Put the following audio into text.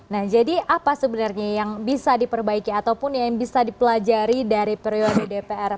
nah jadi apa sebenarnya yang bisa diperbaiki ataupun yang bisa dipelajari dari periode dpr